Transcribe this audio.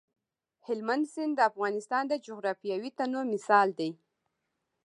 هلمند سیند د افغانستان د جغرافیوي تنوع مثال دی.